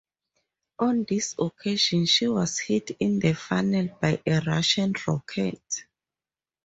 On this occasion she was hit in the funnel by a Russian rocket.